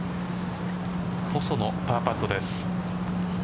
細野パーパットです。